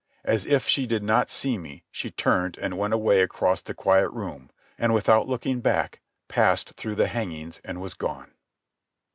As if she did not see me she turned and went away across the quiet room, and without looking back passed through the hangings and was gone.